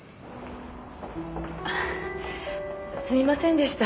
すみませんでした。